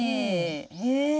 へえ。